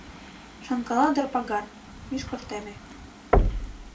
Шонкала дыр пагар, мӱшкыр темме